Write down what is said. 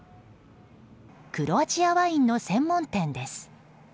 クロアチアワインの専門店です。